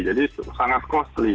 jadi sangat kosli